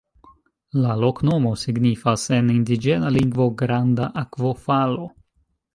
La loknomo signifas en indiĝena lingvo: "granda akvofalo".